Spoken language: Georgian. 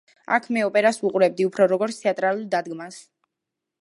აქ მე ოპერას ვუყურებდი უფრო, როგორც თეატრალურ დადგმას.